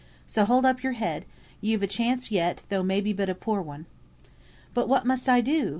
So hold up your head, you've a chance yet, though may be but a poor one." "But what must I do?"